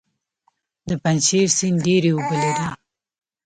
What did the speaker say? د پنجشیر سیند ډیرې اوبه لري